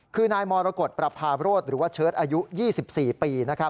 คือนายมรกฏประพาโรธหรือว่าเชิดอายุ๒๔ปี